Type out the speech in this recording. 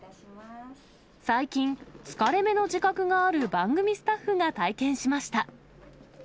最近、疲れ目の自覚がある番組スタッフが体験しました。